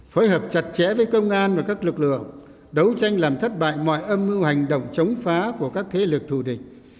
phối hợp chặt chẽ với công an và các lực lượng đấu tranh làm thất bại mọi âm mưu hành động chống phá của các thế lực thù địch